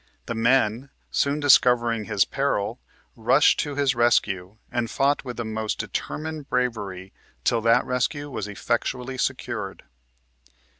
The men, soon discovering his peril, rushed to his rescue, and fought with the most determined bravery till that rescue was effectually secured."